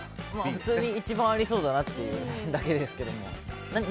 普通に一番ありそうだなっていうだけです。